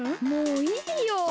もういいよ。